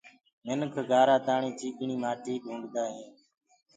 منک گآرآ تآڻي چيٚڪڻي مآٽي ڍونڊدآ هين۔